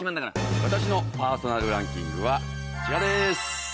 私のパーソナルランキングはこちらです。